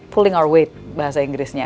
pulling our weight bahasa inggrisnya